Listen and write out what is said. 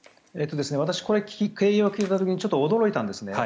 私、この経緯を聞いた時に驚いたんですね。